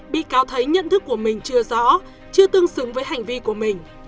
bị cáo thấy nhận thức của mình chưa rõ chưa tương xứng với hành vi của mình